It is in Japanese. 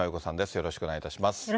よろしくお願いします。